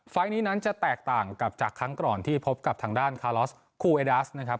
ไฟล์นี้นั้นจะแตกต่างกับจากครั้งก่อนที่พบกับทางด้านคาลอสคูเอดาสนะครับ